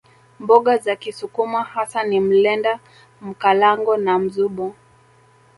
Mboga za kisukuma hasa ni mlenda Mkalango na mzubo